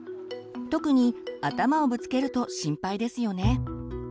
特に頭をぶつけると心配ですよね。